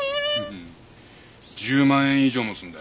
１０万円以上もするんだよ。